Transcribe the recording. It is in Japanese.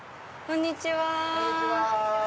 こんにちは。